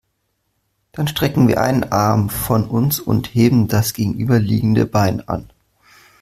Dann strecken wir einen Arm von uns und heben das gegenüberliegende Bein an.